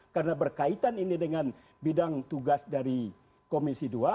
karena berkaitan ini dengan bidang tugas dari komisi dua